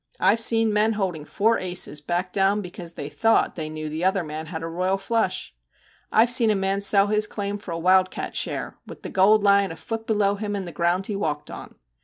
I Ve seen men holding four aces backed down because they thought they knew the other man had a royal flush ! I Ve seen a man sell his claim for a wild cat share, with the gold lying a foot below him in the ground he walked on.